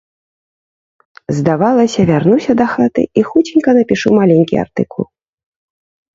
Здавалася, вярнуся дахаты і хуценька напішу маленькі артыкул.